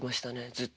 ずっと。